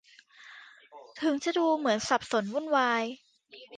ถึงจะดูเหมือนสับสนวุ่นวาย